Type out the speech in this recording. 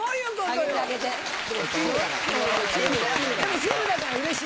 でもチームだからうれしい。